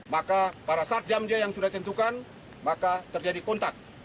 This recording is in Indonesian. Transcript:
maka pada saat jam dia yang sudah ditentukan maka terjadi kontak